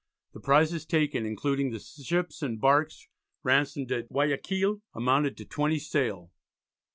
The prizes taken, including the ships and barks ransomed at Guiaquil, amounted to twenty sail.